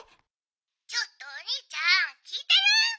「ちょっとおにいちゃんきいてる？」。